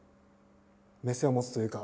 目線を持つというか。